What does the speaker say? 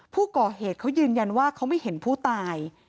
ผู้ก่อเหตุเขายืนยันว่าเขาไม่เห็นผู้ตาย